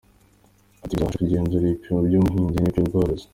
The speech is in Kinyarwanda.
Ati ”bizafasha mu kugenzura ibipimo by’ubuhinzi n’ iby’ ubworozi.